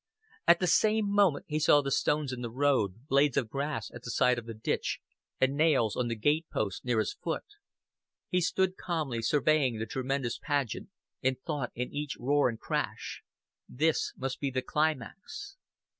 At the same moment he saw the stones in the road, blades of grass at the side of the ditch, and nails on the gate post near his foot. He stood calmly surveying the tremendous pageant, and thought in each roar and crash: "This must be the climax."